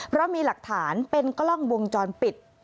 เพราะมีหลักฐานเป็นกล้องวงจรปิด